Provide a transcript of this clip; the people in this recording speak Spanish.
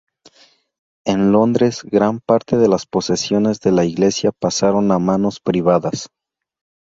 En Londres gran parte de las posesiones de la Iglesia pasaron a manos privadas.